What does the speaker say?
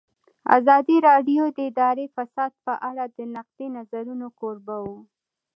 ازادي راډیو د اداري فساد په اړه د نقدي نظرونو کوربه وه.